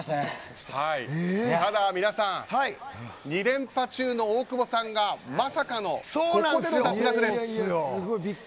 ただ皆さん２連覇中の大久保さんがまさかの、ここでの脱落です。